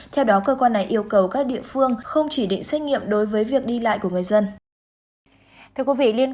theo đó cơ quan này yêu cầu các địa phương không chỉ định xét nghiệm đối với việc đi lại của người dân